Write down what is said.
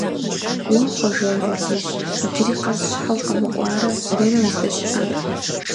Уэ, Хъуэжэ угъурлыжь, иджыри къэс щхьэ укъэмыкӀуарэ, дэнэ уздэщыӀар?